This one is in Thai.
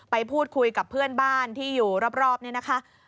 ไปพูดคุยกับเพื่อนบ้านที่อยู่รอบนี่นะคะ